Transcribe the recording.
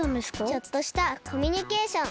ちょっとしたコミュニケーション。